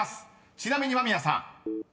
ちなみに間宮さん］